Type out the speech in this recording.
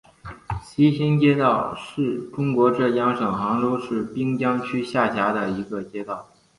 西兴街道是中国浙江省杭州市滨江区下辖的一个街道。